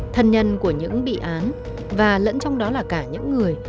thân nhân của những bị án và lẫn trong đó là cả những người